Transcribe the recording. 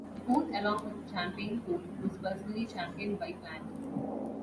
The pool, along with Champagne Pool, was personally championed by Plant.